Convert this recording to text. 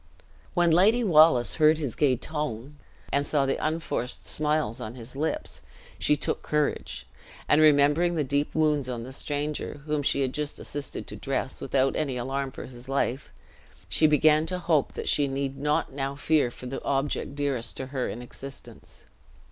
When Lady Wallace heard his gay tone, and saw the unforced smiles on his lips, she took courage; and, remembering the deep wounds on the stranger, whom she had just assisted to dress, without any alarm for his life, she began to hope that she need not now fear for the object dearest to her in existence.